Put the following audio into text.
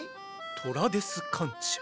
・トラデスカンチア。